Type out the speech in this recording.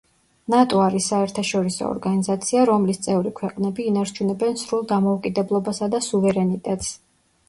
ნატო არის საერთაშორისო ორგანიზაცია, რომლის წევრი ქვეყნები ინარჩუნებენ სრულ დამოუკიდებლობასა და სუვერენიტეტს.